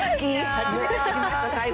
初めて知りました。